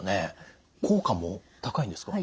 効果も高いんですか？